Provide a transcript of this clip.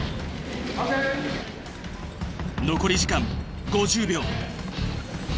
残り時間５０秒。